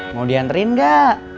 mau diantriin gak